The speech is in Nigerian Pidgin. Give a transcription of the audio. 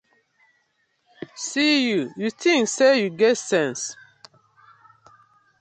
See yu, yu tink say yu get sence.